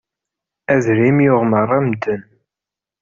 Adrim yuɣ meṛṛa medden.